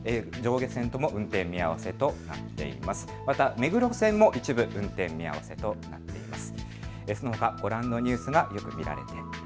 目黒線も一部、運転見合わせとなっています。